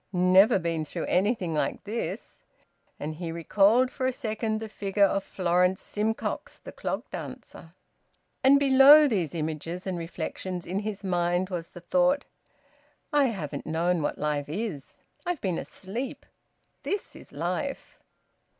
Never been through anything like this!" And he recalled for a second the figure of Florence Simcox, the clog dancer. And below these images and reflections in his mind was the thought: "I haven't known what life is! I've been asleep. This is life!"